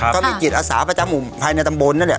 ก็มีจิตอสาประจำอุปัญชาในตำบ้นนั่นแหละ